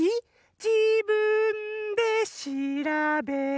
「じぶんでしらべて」